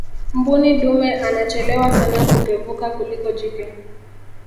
mbuni dume anachelewa sana kupevuka kuliko jike